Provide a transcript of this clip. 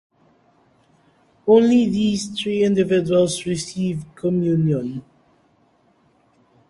Only these three individuals received communion.